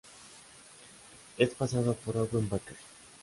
Es paseado por Owen Baker.